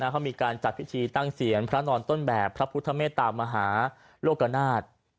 เขามีการจัดพิธีตั้งเซียนพระนอนต้นแบบพระพุทธเมตตามหาโลกนาฏ